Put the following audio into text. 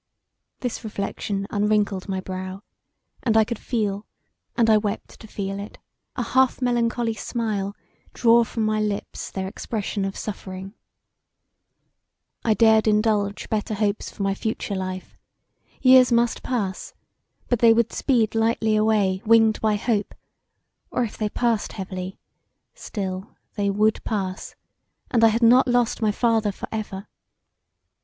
This reflection unwrinkled my brow, and I could feel (and I wept to feel it) a half melancholy smile draw from my lips their expression of suffering: I dared indulge better hopes for my future life; years must pass but they would speed lightly away winged by hope, or if they passed heavily, still they would pass and I had not lost my father for ever.